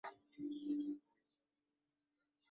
La estructura del pico es única.